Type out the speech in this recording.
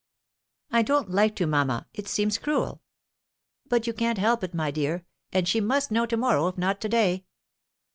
"I don't like to, mamma. It seems cruel." "But you can't help it, my dear; and she must know tomorrow if not to day."